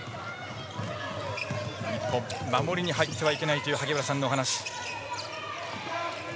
日本、守りに入ってはいけないという萩原さんのお話。